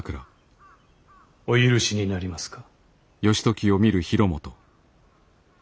お許しになりますか。